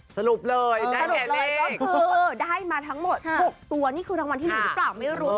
สรุปเลยได้แหน่งเลขสรุปเลยก็คือได้มาทั้งหมดหกตัวนี่คือรางวัลที่หนึ่งหรือเปล่าไม่รู้